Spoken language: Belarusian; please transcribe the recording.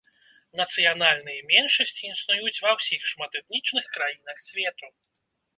Нацыянальныя меншасці існуюць ва ўсіх шматэтнічных краінах свету.